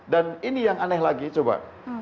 dan ini yang aneh lagi coba